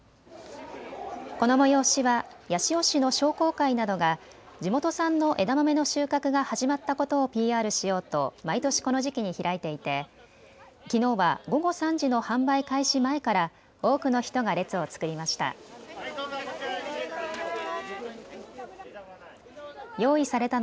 この催しは八潮市の商工会などが地元産の枝豆の収穫が始まったことをＰＲしようと毎年、この時期に開いていてきのうは午後３時の販売開始前から多くの人が列を作りました。